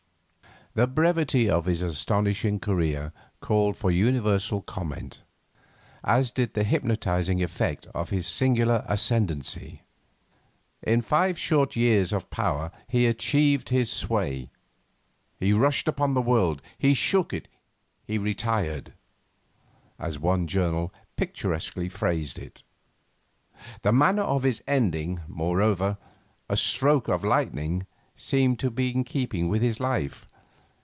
The brevity of his astonishing career called for universal comment, as did the hypnotising effect of his singular ascendency. 'In five short years of power he achieved his sway. He rushed upon the world, he shook it, he retired,' as one journal picturesquely phrased it. 'The manner of his ending, moreover a stroke of lightning, seemed in keeping with his life.